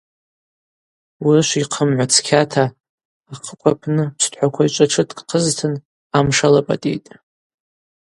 Урышвйхъымгӏва цкьата, ахъыкв апны пстхӏва квайчӏва тшыткӏ хъызтын — амш алапӏатӏитӏ.